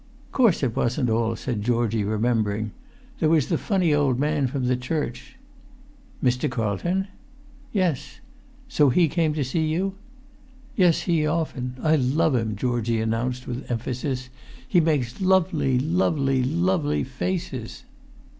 "Course it wasn't all," said Georgie, remembering. "There was the funny old man from the church." "Mr. Carlton?" "Yes." "So he came to see you?" [Pg 308]"Yes, he often. I love him," Georgie announced with emphasis; "he makes lovely, lovely, lovely faces!"